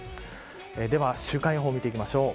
では週間予報を見ていきましょう。